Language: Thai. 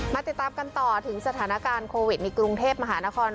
ติดตามกันต่อถึงสถานการณ์โควิดในกรุงเทพมหานคร